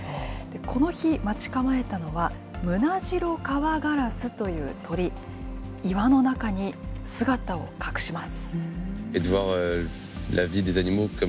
この日、待ち構えたのは、ムナジロカワガラスという鳥、岩の中に姿を隠します。